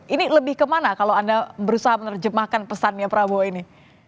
ini lebih kemana kalau anda berusaha menerjemahkan pesannya prabowo ini